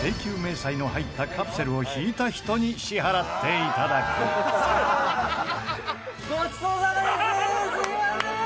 請求明細の入ったカプセルを引いた人に支払っていただくごちそうさまです。